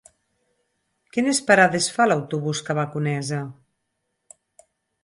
Quines parades fa l'autobús que va a Conesa?